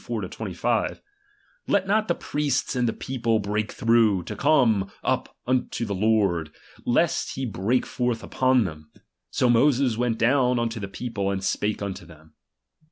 24, 25) : Let not the priests and the"" ""'^^ people break through, to come up unto the Lord, ^H lest he break forth vpoii them. So Moses went ^H down unto the people, and spake unto them.